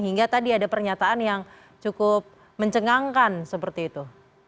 hingga tadi ada pernyataan yang cukup mencengangkan seperti itu